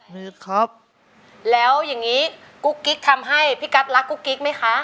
ลึกครับแล้วอย่างงี้กุ๊กกิ๊กทำให้พี่กัสรักกุ๊กกิ๊กไหมคะ